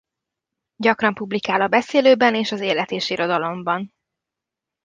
Gyakran publikál a Beszélőben és az Élet és Irodalomban.